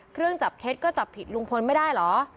เครื่องจับเท็จก็จับผิดลุงพลไม่ได้เหรอ